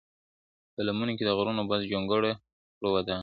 په لمنو کي د غرونو بس جونګړه کړو ودانه !.